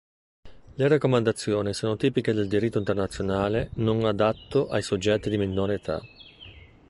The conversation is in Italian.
Le raccomandazioni sono tipiche del diritto internazionale non adatto ai soggetti di minore età.